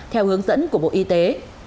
theo hướng dẫn của bộ y tế